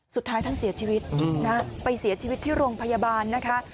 สุดท้ายท่านเสียชีวิตนะไปเสียชีวิตที่โรงพยาบาลนะคะ